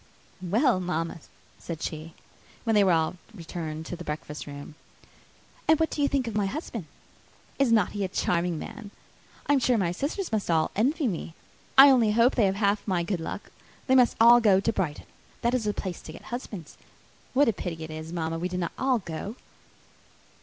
"Well, mamma," said she, when they were all returned to the breakfast room, "and what do you think of my husband? Is not he a charming man? I am sure my sisters must all envy me. I only hope they may have half my good luck. They must all go to Brighton. That is the place to get husbands. What a pity it is, mamma, we did not all go!"